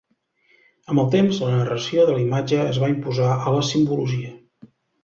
Amb el temps, la narració de la imatge es va imposar a la simbologia.